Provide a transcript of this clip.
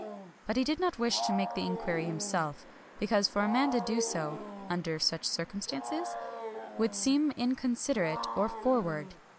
But he did not wish to make the inquiry himself, be cause for a man to do so [under such circum stances f'\ would seem inconsiderate or for ward.